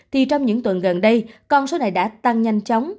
thì trong những tuần gần đây con số này đã tăng nhanh chóng